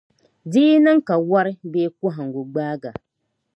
Di yi niŋ ka wari bee kɔhingu gbaagi a.